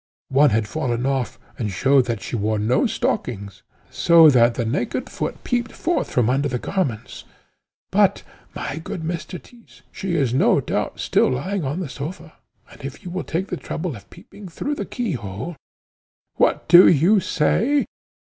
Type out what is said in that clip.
One had fallen off, and showed that she wore no stockings, so that the naked foot peeped forth from under the garments. But, my good Mr. Tyss, she is no doubt still lying on the sofa; and if you will take the trouble of peeping through the key hole " "What do you say?" interrupted Peregrine with vehemence; "what do you say?